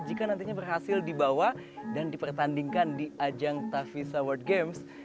jika nantinya berhasil dibawa dan dipertandingkan di ajang tavisa world games